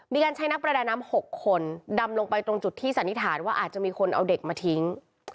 มีการใช้นักประดาน้ำ๖คนดำลงไปตรงจุดที่สันนิษฐานว่าอาจจะมีคนเอาเด็กมาทิ้ง